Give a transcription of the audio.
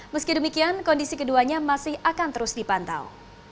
meski demikian kondisi keduanya masih akan terus dipantau